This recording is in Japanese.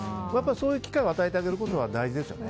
そういう機会を与えてあげることは大事ですよね。